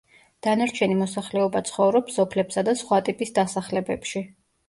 დანარჩენი მოსახლეობა ცხოვრობს სოფლებსა და სხვა ტიპის დასახლებებში.